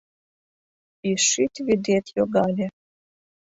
Ӱшӱт вӱдет йогале